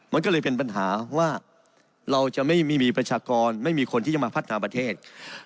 มันก็เลยเป็นปัญหาว่าเราจะไม่มีประชากรไม่มีคนที่จะมาพัฒนาประเทศ